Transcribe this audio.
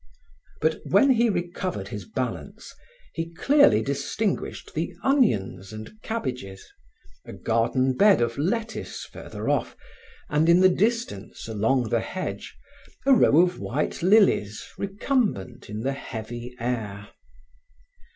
But when he recovered his balance, he clearly distinguished the onions and cabbages, a garden bed of lettuce further off, and, in the distance along the hedge, a row of white lillies recumbent in the heavy air.